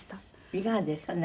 いかがですか？